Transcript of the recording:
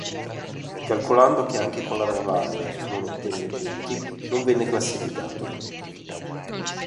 Calcolando che anche con la Brabham non ottenne punti, non venne classificato.